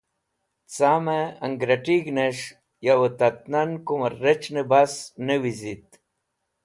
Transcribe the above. Camẽ angratig̃hnẽs̃h yo tat nan kumẽr rec̃hnẽ bas ne wizit.